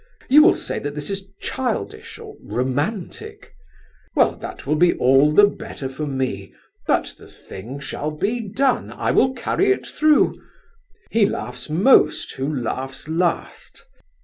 You will say that this is childish—or romantic. Well, that will be all the better for me, but the thing shall be done. I will carry it through. He laughs most, who laughs last.